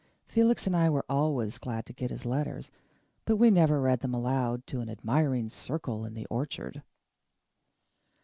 Felix and I were always glad to get his letters, but we never read them aloud to an admiring circle in the orchard.